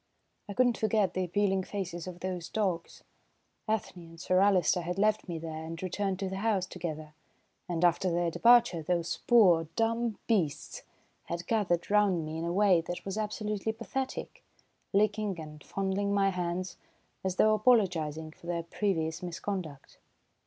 I could not forget the appealing faces of those dogs. Ethne and Sir Alister had left me there and returned to the house together, and, after their departure, those poor, dumb beasts had gathered round me in a way that was absolutely pathetic, licking and fondling my hands, as though apologising for their previous misconduct.